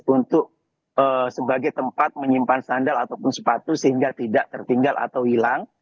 untuk sebagai tempat menyimpan sandal ataupun sepatu sehingga tidak tertinggal atau hilang